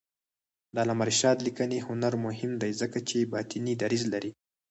د علامه رشاد لیکنی هنر مهم دی ځکه چې باطني دریځ لري.